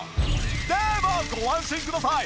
でもご安心ください。